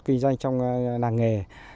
kinh doanh trong làng nghề